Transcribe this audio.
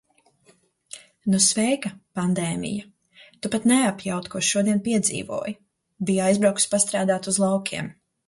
Nu sveika, pandēmija! Tu pat neapjaut, ko šodien piedzīvoju. Biju aizbraukusi pastrādāt uz laukiem.